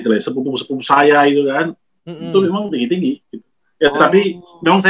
jadi apa itu ya sepupu sepupu saya itu kan itu memang tinggi tinggi